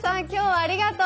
ありがとう！